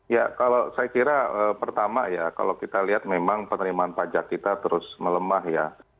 ya kalau saya kira pertama ya kalau kita lihat memang penerimaan pajak kita terus melemah ya